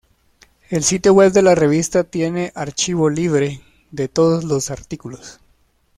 El sitio web de la revista tiene archivo libre de todos los artículos.